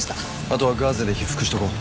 あとはガーゼで被覆しとこう。